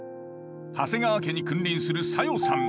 長谷川家に君臨する小夜さん。